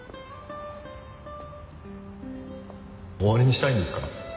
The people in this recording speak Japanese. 終わりにしたいんですか？